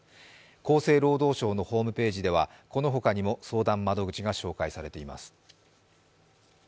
厚生労働省のホームページでは、このほかにも相談窓口が紹介されています。